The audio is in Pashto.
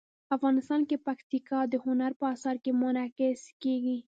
افغانستان کې پکتیکا د هنر په اثار کې منعکس کېږي.